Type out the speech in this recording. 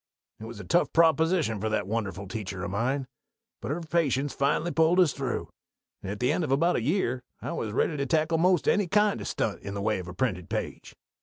_ It was a tough proposition for that wonderful teacher of mine; but her patience finally pulled us through, and at the end of about a year I was ready to tackle 'most any kind of stunt in the way of a printed page.